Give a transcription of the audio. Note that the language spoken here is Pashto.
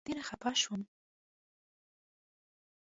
ډېر خپه شوم.